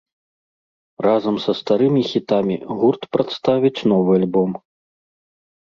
Разам са старымі хітамі гурт прадставіць новы альбом.